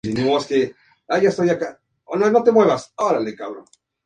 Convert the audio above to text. Es sometido a varios maltratos durante toda la serie, pero se recupera exageradamente rápido.